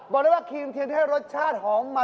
บอลได้ว่าครีมเทียมที่ให้รสชาติหอมมัน